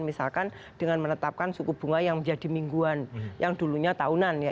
misalkan dengan menetapkan suku bunga yang menjadi mingguan yang dulunya tahunan ya